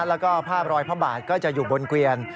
แล้วก็ภาพรอยพระบาทก็จะอยู่บนเกวียน